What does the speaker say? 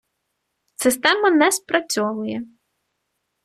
Система не спрацьовує.